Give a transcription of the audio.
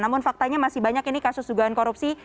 namun faktanya masih banyak ini kasus dugaan korupsi